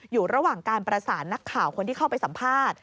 อยู่ระหว่างการประสานนักข่าวคนที่เข้าไปสัมภาษณ์